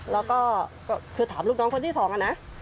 แล้วก็คือถามลูกน้องคนที่สองอะนะ